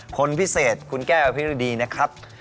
คนพิเศษคุณแก้วอภิรดีนะครับ